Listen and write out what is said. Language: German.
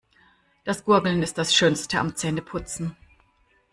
Das Gurgeln ist das Schönste am Zähneputzen.